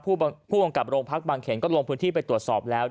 ผู้กำกับโรงพักบางเขนก็ลงพื้นที่ไปตรวจสอบแล้ว